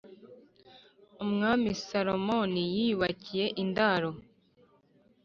Umwami Salomoni yiyubakiye indaro